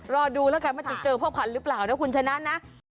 รอดูแล้วกันว่าจะเจอพ่อพันธุ์หรือเปล่านะคุณชนะนะ